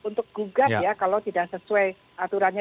untuk gugat ya kalau tidak sesuai aturannya